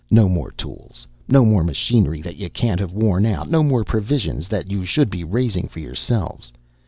No more tools! No more machinery that ye can't have worn out! No more provisions that ye should be raisin' for yourselves!